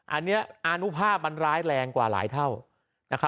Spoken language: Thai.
อันนี้อานุภาพมันร้ายแรงกว่าหลายเท่า